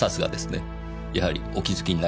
やはりお気づきになりましたか。